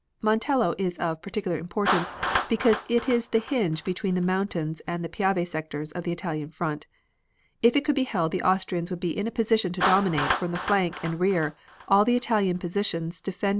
Montello is of particular importance, because it is the hinge between the mountains and the Piave sectors of the Italian front. If it could be held the Austrians would be in a position to dominate from the flank and rear all the Italian positions defending the line of the Piave in the dead flat plain to the south.